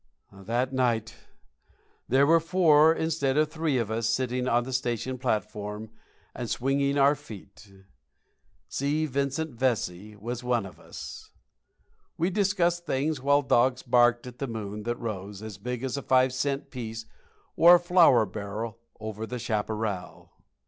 That night there were four instead of three of us sitting on the station platform and swinging our feet. C. Vincent Vesey was one of us. We discussed things while dogs barked at the moon that rose, as big as a five cent piece or a flour barrel, over the chaparral.